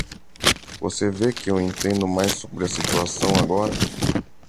Você vê que eu entendo mais sobre a situação agora?